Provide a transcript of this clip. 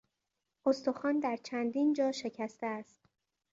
استخوان در چندین جا شکسته است.